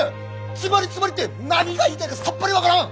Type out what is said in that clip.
つまりつまりって何が言いたいかさっぱり分からん！